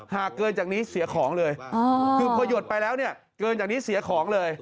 หากเกินจากนี้เสียของเลยคือพอหยดไปแล้วเนี่ยเกินจากนี้เสียของเลย